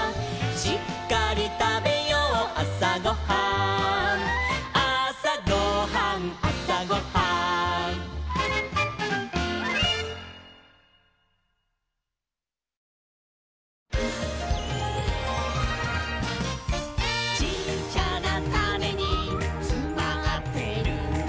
「しっかりたべようあさごはん」「あさごはんあさごはん」「ちっちゃなタネにつまってるんだ」